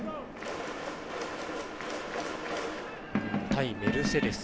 対メルセデス。